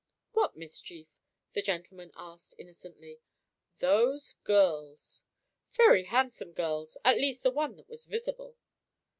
"What mischief?" the gentleman asked innocently. "Those girls." "Very handsome girls. At least the one that was visible."